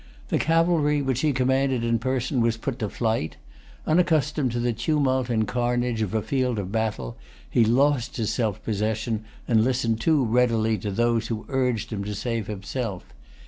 The cavalry, which he commanded in person, was put to flight. Unaccustomed to the tumult and carnage of a field of battle, he lost his self possession, and listened too readily to those who urged him to save himself.